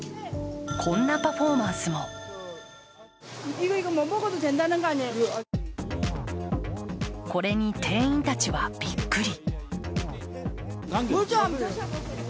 こんなパフォーマンスもこれに店員たちはビックリ。